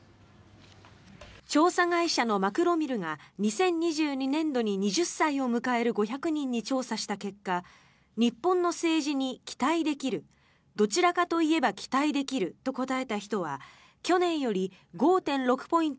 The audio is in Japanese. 調査会社のマクロミルが２０２２年度に２０歳を迎える５００人に調査した結果日本の政治に期待できるどちらかといえば期待できると答えた人は去年より５．６ポイント